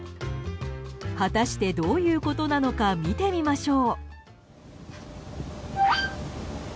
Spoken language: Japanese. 果たして、どういうことなのか見てみましょう。